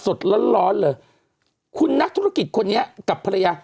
สดร้อนร้อนเลยคุณนักธุรกิจคนนี้กับภรรยา